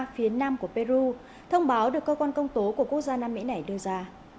phía nam của peru thông báo được cơ quan công tố của quốc gia nam mỹ này đưa ra